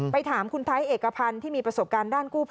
ถามคุณไทยเอกพันธ์ที่มีประสบการณ์ด้านกู้ภัย